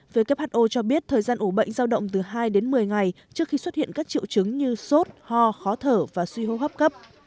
who cho biết thời gian ủ bệnh giao động từ hai đến một mươi ngày trước khi xuất hiện các triệu chứng như sốt ho khó thở và suy hô hấp cấp